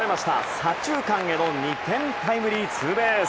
左中間への２点タイムリーツーベース。